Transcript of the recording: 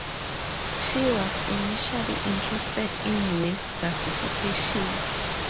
She was initially interested in waste gasification.